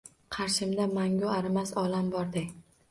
Qarshimda mangu arimas olam borday.